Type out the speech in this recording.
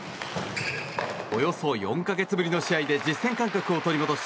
およそ４か月ぶりの試合で実戦感覚を取り戻し